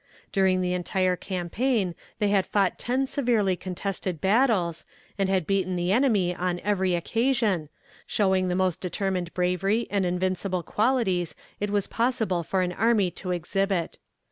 During the entire campaign they had fought ten severely contested battles, and had beaten the enemy on every occasion, showing the most determined bravery and invincible qualities it was possible for an army to exhibit.